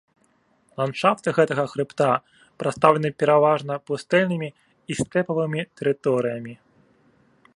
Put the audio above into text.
Ландшафты гэтага хрыбта прадстаўлены пераважна пустэльнымі і стэпавымі тэрыторыямі.